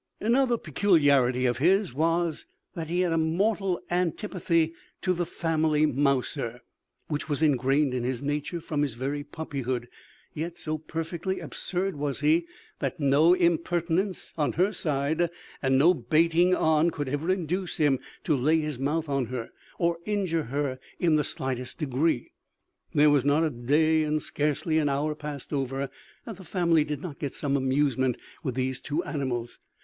"Another peculiarity of his was, that he had a mortal antipathy to the family mouser, which was ingrained in his nature from his very puppyhood; yet so perfectly absurd was he, that no impertinence on her side, and no baiting on, could ever induce him to lay his mouth on her, or injure her in the slightest degree. There was not a day and scarcely an hour passed over, that the family did not get some amusement with these two animals.